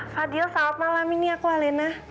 fadil selamat malam ini aku alena